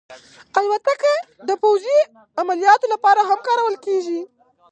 الوتکه د پوځي عملیاتو لپاره هم کارول کېږي.